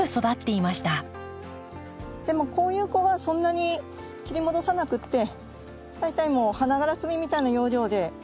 でもこういう子はそんなに切り戻さなくって大体もう花がら摘みみたいな要領でこのくらいの感じで大丈夫です。